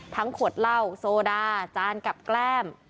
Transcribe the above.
ขวดเหล้าโซดาจานกับแกล้ม